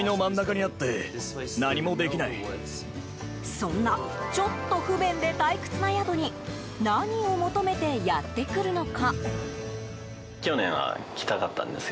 そんな、ちょっと不便で退屈な宿に一体、何を求めて世界中からやってくるのか。